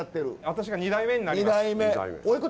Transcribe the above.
私が２代目になります。